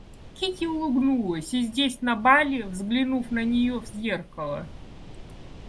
Кити улыбнулась и здесь на бале, взглянув на нее в зеркало.